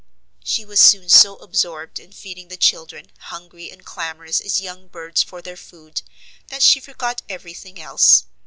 She was soon so absorbed in feeding the children, hungry and clamorous as young birds for their food, that she forgot every thing else.